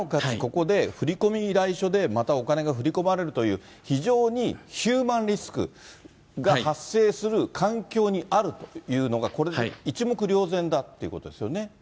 ここで、振り込み依頼書でまたお金が振り込まれるという、非常にヒューマンリスクが発生する環境にあるというのが、これで一目瞭然だっていうことですよね。